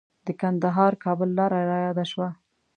د کندهار-کابل لاره رایاده شوه.